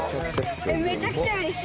めちゃくちゃうれしい？